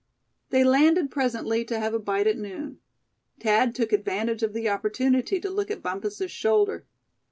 They landed presently to have a bite at noon. Thad took advantage of the opportunity to look at Bumpus' shoulder.